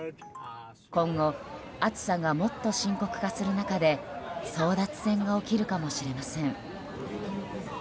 今後、暑さがもっと深刻化する中で争奪戦が起きるかもしれません。